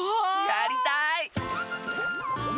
やりたい！